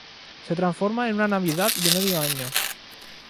Se transforma en una navidad de medio año.